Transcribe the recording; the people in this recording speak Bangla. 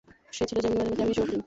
সে ছিল যেমনি মেধাবী তেমনি সৌখিন।